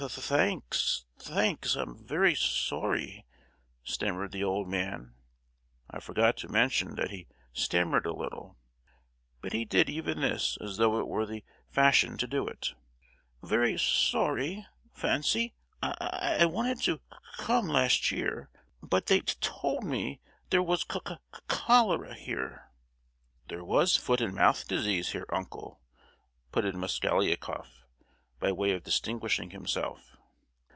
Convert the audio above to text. "Th—thanks, thanks; I'm very s—orry!" stammered the old man (I forgot to mention that he stammered a little, but he did even this as though it were the fashion to do it). "Very s—sorry; fancy, I—I wanted to co—come last year, but they t—told me there was cho—cho—cholera here." "There was foot and mouth disease here, uncle," put in Mosgliakoff, by way of distinguishing himself.